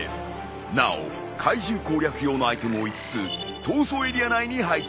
なお怪獣攻略用のアイテムを５つ逃走エリア内に配置した。